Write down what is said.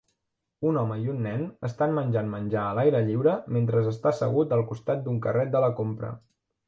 Un home i un nen estan menjant menjar a l'aire lliure mentre està assegut al costat d'un carret de la compra